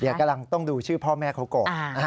เดี๋ยวกำลังต้องดูชื่อพ่อแม่เขาก่อน